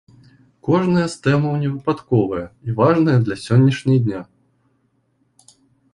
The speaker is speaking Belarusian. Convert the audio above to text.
Кожная з тэмаў невыпадковая і важная для сённяшняй дня.